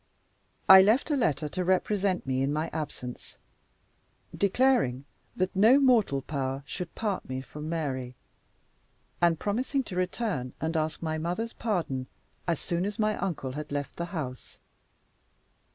I left a letter to represent me in my absence; declaring that no mortal power should part me from Mary, and promising to return and ask my mother's pardon as soon as my uncle had left the house.